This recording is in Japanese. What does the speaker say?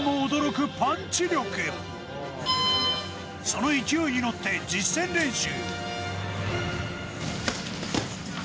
その勢いに乗って実戦練習。